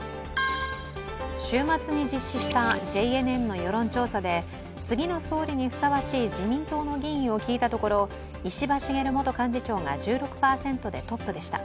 週末に実施したＪＮＮの世論調査で次の総理にふさわしい自民党の議員を聞いたところ石破茂元幹事長が１６％でトップでした。